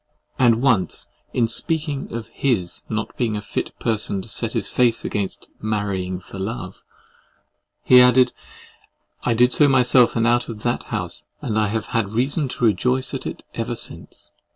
—And once, in speaking of HIS not being a fit person to set his face against "marrying for love," he added "I did so myself, and out of that house; and I have had reason to rejoice at it ever since."